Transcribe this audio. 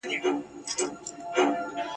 اتلان د ملت عزت وي.